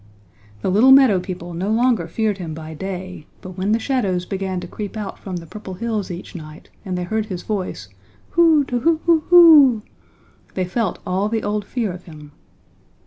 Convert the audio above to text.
"The little meadow people no longer feared him by day, but when the shadows began to creep out from the Purple Hills each night and they heard his voice 'Whoo too whoo hoo hoo' they felt all the old fear of him.